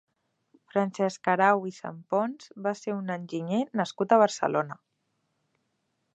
Francesc Arau i Sampons va ser un enginyer nascut a Barcelona.